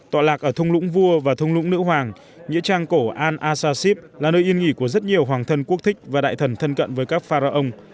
tọa lạc ở thung lũng vua và thung lũng nữ hoàng nhĩa trang cổ al asasib là nơi yên nghỉ của rất nhiều hoàng thân quốc thích và đại thần thân cận với các pharaon